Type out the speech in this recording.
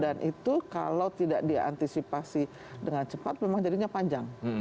dan itu kalau tidak diantisipasi dengan cepat memang jadinya panjang